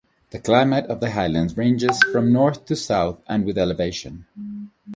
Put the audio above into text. The climate of the Highlands ranges from north to south and with elevation.